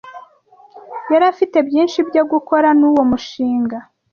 Yari afite byinshi byo gukora nuwo mushinga.